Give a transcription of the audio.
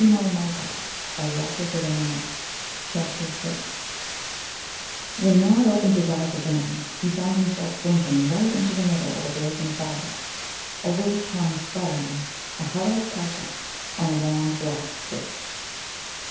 CHAPTER VI When Nod opened his eyes again, he found himself blinking right into the middle of a blazing fire, over which hung sputtering a huddled carcass on a long black spit.